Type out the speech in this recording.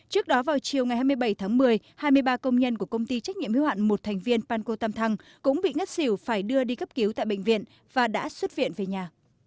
trước đó vào chiều ngày hai mươi bảy tháng một mươi hai mươi ba công nhân của công ty trách nhiệm hiếu hạn một thành viên panco tâm thăng cũng bị ngất xỉu phải đưa đi cấp cứu tại bệnh viện và đã xuất viện về nhà